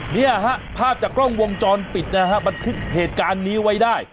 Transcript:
เนี่ยฮะภาพจากกล้องวงจรปิดนะฮะบันทึกเหตุการณ์นี้ไว้ได้